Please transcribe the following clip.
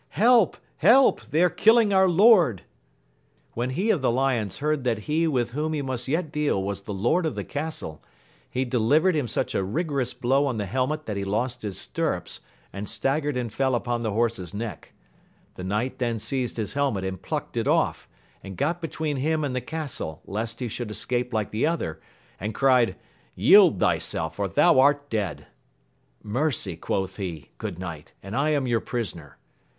Help, help, they are killing our lord I When he of tb.^ \ioii& \i<^^^ \}&^ 68 AMADIS OF GAUL he with whom he must yet deal was the lord of the castle, he delivered him such a rigorous blow on the helmet that he lost his stirrups, and staggered and fell upon the horse's neck. The knight then seized his helmet and plucked it off, and got between him and the castle lest he should escape like the other, and cried, Yield thyself or thou art dead. Mercy, quoth he, good knight, and I am your prisoner